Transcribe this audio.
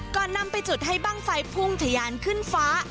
นำไปจุดให้บ้างไฟพุ่งทะยานขึ้นฟ้า